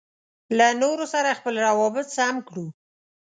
له نورو سره خپل روابط سم کړو.